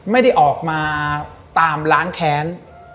ไม่ได้ออกมาตามล้างแค้น